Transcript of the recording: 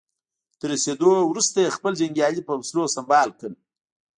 تر رسېدو وروسته يې خپل جنګيالي په وسلو سمبال کړل.